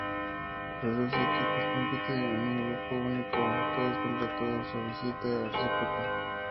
Los doce equipos compiten en un grupo único, todos contra todos a visita reciproca.